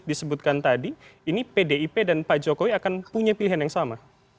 kalau seperti yang kerucut disebutkan tadi ini pdip dan pak jokowi akan punya pilihan yang sama